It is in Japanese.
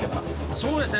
そうですね。